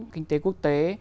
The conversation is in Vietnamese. kinh tế quốc tế